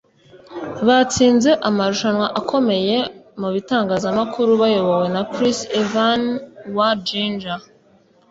Batsinze amarushanwa akomeye mu bitangazamakuru bayobowe na Chris Evans wa Ginger.